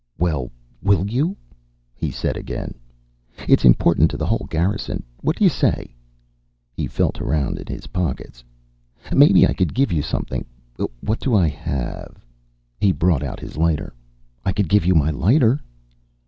"Well, will you?" he said again. "It's important to the whole Garrison. What do you say?" He felt around in his pockets. "Maybe I could give you something. What do I have...." He brought out his lighter. "I could give you my lighter."